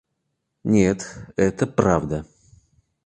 Нет, это правда.